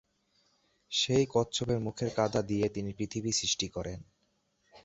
সেই কচ্ছপের মুখের কাদা দিয়ে তিনি পৃথিবী সৃষ্টি করেন।